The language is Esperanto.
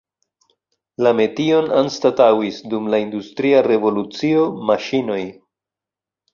La metion anstataŭis dum la industria revolucio maŝinoj.